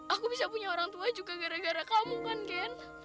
aku bisa punya orang tua juga gara gara kamu kan ken